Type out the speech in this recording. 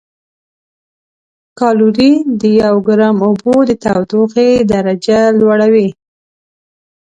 کالوري د یو ګرام اوبو د تودوخې درجه لوړوي.